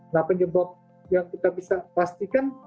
nah penyebab yang kita bisa pastikan